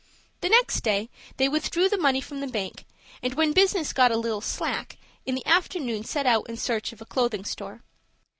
The next day they withdrew the money from the bank, and, when business got a little slack, in the afternoon set out in search of a clothing store.